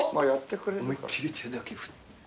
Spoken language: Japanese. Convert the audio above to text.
思いっ切り手だけ振って。